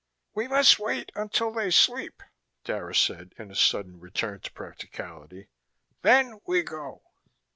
"We must wait until they sleep," Dara said in a sudden return to practicality. "Then we go."